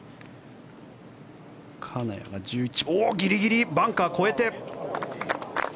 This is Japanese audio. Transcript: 金谷がギリギリバンカーを越えて。